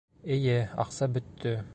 Эйе, аҡса бөттө